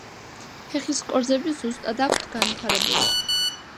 ფეხის კორძები სუსტად აქვთ განვითარებული.